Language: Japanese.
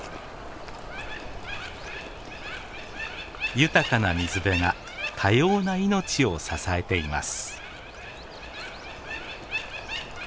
豊かな水辺が多様な命を支えています。